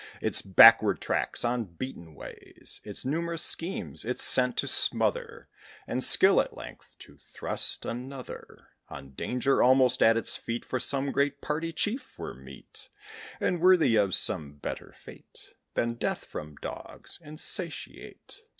Its backward tracks on beaten ways, Its numerous schemes its scent to smother, And skill, at length, to thrust another [Illustration: THE TWO RATS, THE FOX, AND THE EGG.] On danger almost at its feet, For some great party chief were meet; And worthy of some better fate Than death from dogs insatiate.